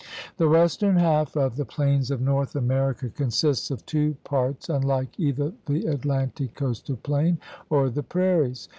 The western half of the plains of North America consists of two parts unlike either the Atlantic coastal plain or the prairies.